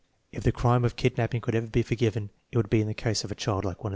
If the crime of kid naping could ever be forgiven it would be in the case of a child like one of these.